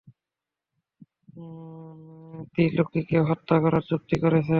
ত্রিলোকিকে হত্যা করার চুক্তি করেছ?